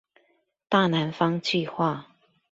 大南方計畫